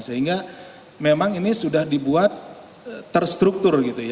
sehingga memang ini sudah dibuat terstruktur